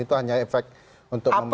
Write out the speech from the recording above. itu hanya efek untuk membangun